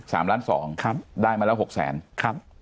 สามล้านสองครับได้มาแล้วหกแสนครับ